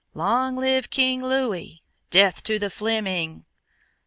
Long live King Louis! Death to the Fleming!"